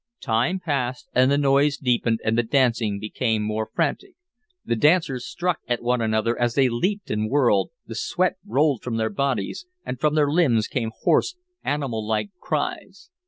Time passed, and the noise deepened and the dancing became more frantic. The dancers struck at one another as they leaped and whirled, the sweat rolled from their bodies, and from their lips came hoarse, animal like cries.